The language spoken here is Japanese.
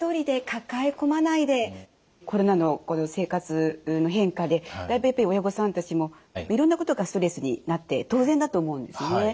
コロナの生活の変化でだいぶやっぱり親御さんたちもいろんなことがストレスになって当然だと思うんですね。